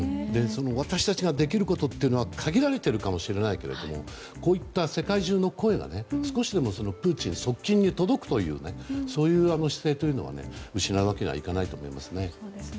私たちができることというのは限られているかもしれないけどもこういった世界中の声が少しでもプーチン、側近に届くというそういう姿勢は失うわけにはいかないと思います。